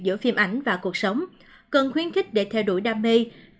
giữa phim ảnh và cuộc sống cần khuyến khích để theo đuổi đam mê